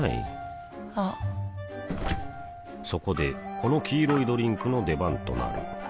あっそこでこの黄色いドリンクの出番となる